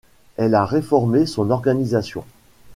Elle a réformé son organisation.